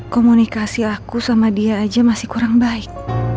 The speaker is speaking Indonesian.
komunikasi aku sama dia aja masih kurang baik